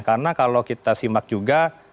karena kalau kita simak juga